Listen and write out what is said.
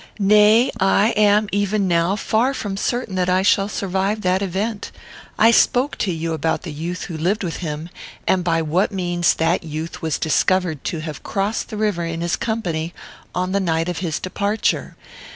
Nay, I am, even now, far from certain that I shall survive that event. I spoke to you about the youth who lived with him, and by what means that youth was discovered to have crossed the river in his company on the night of his departure.